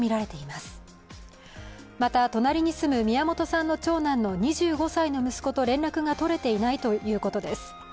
また、隣に住む宮本さんの長男の２５歳の息子と連絡が取れていないということです。